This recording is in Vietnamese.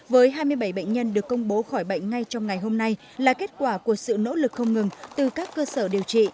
với hai mươi bảy bệnh nhân được công bố khỏi bệnh ngay trong ngày hôm nay là kết quả của sự nỗ lực không ngừng từ các cơ sở điều trị